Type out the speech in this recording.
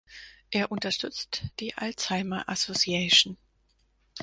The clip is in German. Er unterstützt die "Alzheimer Association".